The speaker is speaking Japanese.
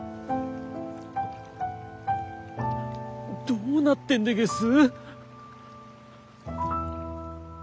どうなってんでげす？